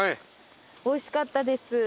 おいしかったです。